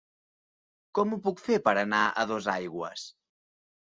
Com ho puc fer per anar a Dosaigües?